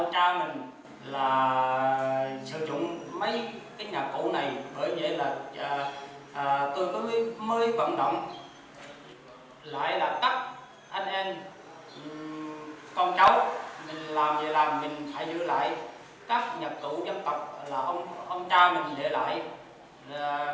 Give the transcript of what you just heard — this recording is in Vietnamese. vì vậy mình phải giữ lại các nhạc cụ dân tập là ông cha mình để lại